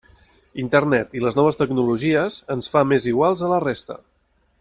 Internet i les noves tecnologies ens fa més iguals a la resta.